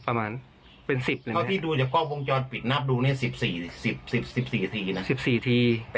ประมาณเป็นสิบหรือไงเขาที่ดูจากกล้องพงจรปิดนับดูนี่สิบสี่สิบสี่ทีนะ